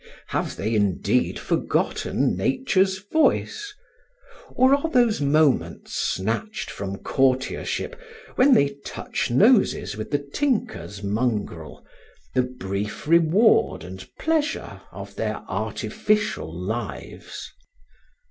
Have they indeed forgotten nature's voice? or are those moments snatched from courtiership when they touch noses with the tinker's mongrel, the brief reward and pleasure of their artificial lives?